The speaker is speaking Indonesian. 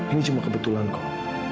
ini cuma kebetulan kak